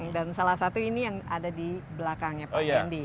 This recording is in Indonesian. dan salah satu ini yang ada di belakang ya pak hendi